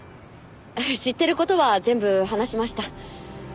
知ってる事は全部話しました。